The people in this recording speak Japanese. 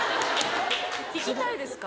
聞きたいですか？